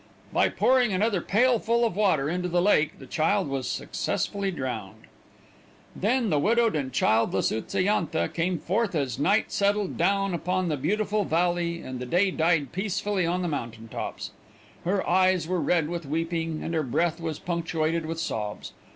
By pouring another pailful of water into the lake the child was successfully drowned. Then the widowed and childless Utsa yantha came forth as night settled down upon the beautiful valley and the day died peacefully on the mountain tops. Her eyes were red with weeping and her breath was punctuated with sobs.